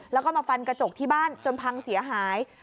แล้วก็มาฟันกระจกที่บ้านจนพังเสียหาย